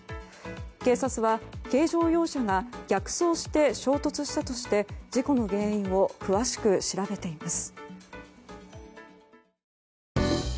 警察は軽乗用車が逆走して衝突したとして事故の原因を詳しく調べています。